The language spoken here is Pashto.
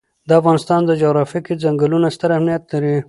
د افغانستان جغرافیه کې ځنګلونه ستر اهمیت لري.